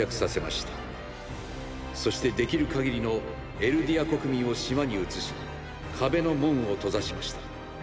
そしてできる限りのエルディア国民を島に移し壁の門を閉ざしました。